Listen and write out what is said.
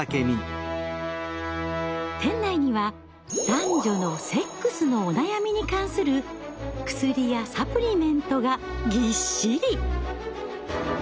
店内には男女のセックスのお悩みに関する薬やサプリメントがぎっしり！